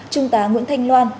trung tá nguyễn thanh loan